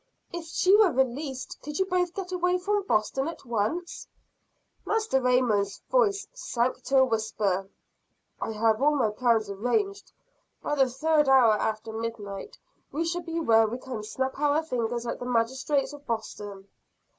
"If she were released, could you both get away from Boston at once?" Master Raymond's voice sank to a whisper. "I have all my plans arranged. By the third hour after midnight, we shall be where we can snap our fingers at the magistrates of Boston."